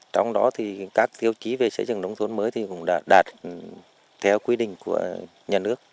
trong đó thì các tiêu chí về xây dựng nông thôn mới thì cũng đã đạt theo quy định của nhà nước